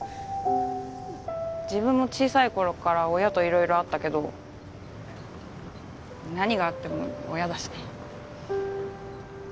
自分も小さい頃から親といろいろあったけど何があっても親だしね。